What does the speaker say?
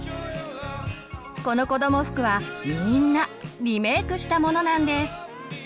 このこども服はみんなリメークしたものなんです。